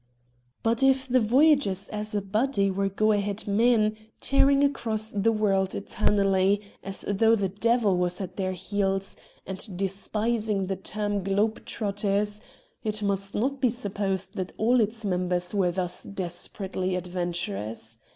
But if the Voyagers as a body were go a head men, tearing across the world eternally, as though the devil was at their THE VOYAGERS 7 heels, and despising the terra ' globe trotters,' it must not be supposed that all its members were thus desperately adventurous.